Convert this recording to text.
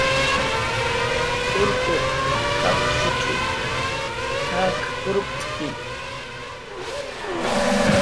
"Urpiq qanqshuch t""ak urpt'ku"